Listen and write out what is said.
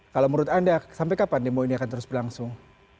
kalau menurut anda sampai kapan demo ini akan terus berlangsung